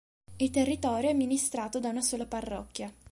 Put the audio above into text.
Il territorio è amministrato da una sola parrocchia.